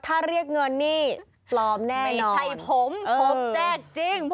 ถ้าเรียกเงินนี่ลอมแน่นอน